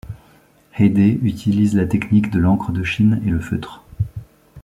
Haydé utilise la technique de l'encre de chine et le feutre.